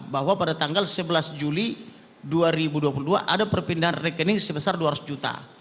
bahwa pada tanggal sebelas juli dua ribu dua puluh dua ada perpindahan rekening sebesar dua ratus juta